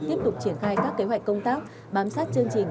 tiếp tục triển khai các kế hoạch công tác bám sát chương trình